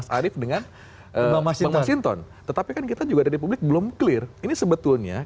partai terlibat dan dari awal tidak ada